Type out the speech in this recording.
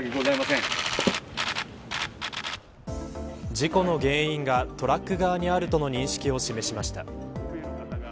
事故の原因がトラック側にあるとの認識を示しました。